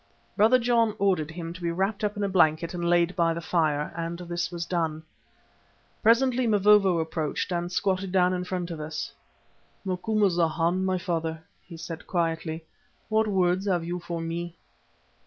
Brother John ordered him to be wrapped up in a blanket and laid by the fire, and this was done. Presently Mavovo approached and squatted down in front of us. "Macumazana, my father," he said quietly, "what words have you for me?"